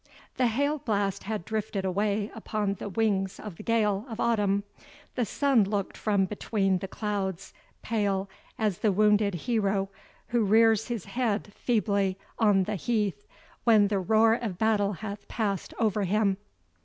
The hail blast had drifted away upon the wings of the gale of autumn. The sun looked from between the clouds, pale as the wounded hero who rears his head feebly on the heath when the roar of battle hath passed over him.